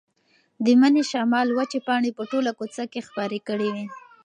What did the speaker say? د مني شمال وچې پاڼې په ټوله کوڅه کې خپرې کړې وې.